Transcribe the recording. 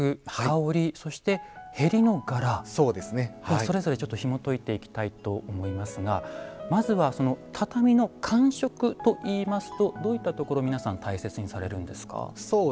それぞれちょっとひもといていきたいと思いますがまずは畳の感触といいますとどういったところ皆さん大切にされるんですか？